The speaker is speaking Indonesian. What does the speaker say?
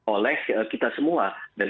oleh kita semua dan